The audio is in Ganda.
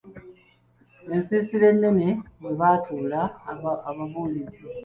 Ensiisira ennene mwe batuula ababuulizi.